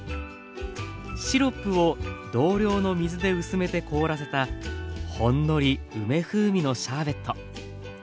シロップを同量の水で薄めて凍らせたほんのり梅風味のシャーベット。